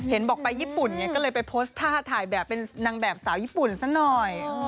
บอกไปญี่ปุ่นไงก็เลยไปโพสต์ท่าถ่ายแบบเป็นนางแบบสาวญี่ปุ่นซะหน่อย